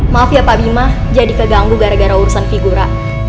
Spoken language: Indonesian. maaf ya pak bima jadi keganggu gara gara urusan figura